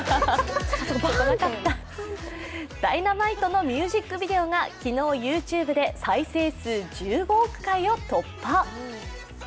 「Ｄｙｎａｍｉｔｅ」のミュージックビデオが昨日、ＹｏｕＴｕｂｅで再生数１５億回を突破。